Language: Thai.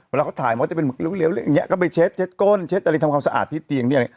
เวลาเขาถ่ายมันก็จะเป็นหึกเลี้ยวอย่างนี้ก็ไปเช็ดเช็ดก้นเช็ดอะไรทำความสะอาดที่เตียงเนี่ย